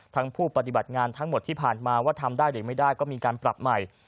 ผู้ปฏิบัติงานทั้งหมดที่ผ่านมาว่าทำได้หรือไม่ได้ก็มีการปรับใหม่